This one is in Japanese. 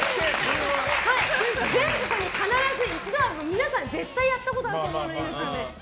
全国に必ず一度は皆さん絶対にやったことあると思うので、猪木さんのまね。